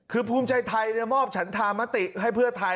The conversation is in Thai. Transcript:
คือภูมิใจไทยมอบฉันธามติให้เพื่อไทย